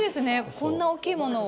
こんな大きいものを。